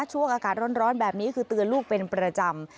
ช่วงอากาศร้อนแบบนี้คือเตือนลูกเป็นประจำ